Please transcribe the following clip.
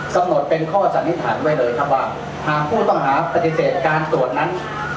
กำหนดเป็นข้อสันนิษฐานไว้เลยครับว่าหากผู้ต้องหาปฏิเสธการตรวจนั้น